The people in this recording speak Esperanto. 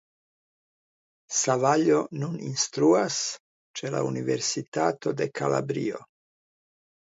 Savaglio nun instruas ĉe la Universitato de Kalabrio.